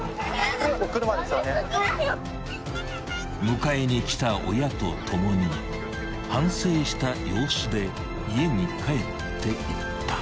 ［迎えに来た親と共に反省した様子で家に帰っていった］